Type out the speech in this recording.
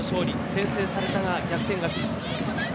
先制されたが、逆転勝ち。